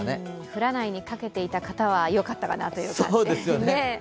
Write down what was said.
降らないにかけていた方はよかったなという感じですね。